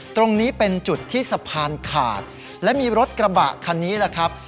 ตรงนี้เป็นจุดที่สะพานขาดและมีรถกระบะคันนี้แหละครับ